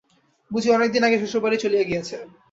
বুচি অনেকদিন আগে শ্বশুরবাড়ি চলিয়া গিয়াছে।